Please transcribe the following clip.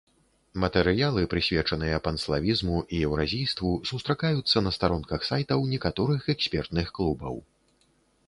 Матэрыялы, прысвечаныя панславізму і еўразійству, сустракаюцца на старонках сайтаў некаторых экспертных клубаў.